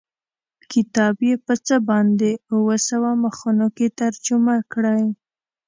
کتاب یې په څه باندې اووه سوه مخونو کې ترجمه کړی.